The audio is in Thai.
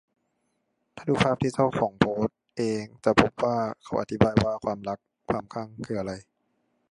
ถ้าดูภาพที่เจ้าของโพสเองจะพบว่าเขาอธิบายว่า ความรัก ความคลั่งคืออะไร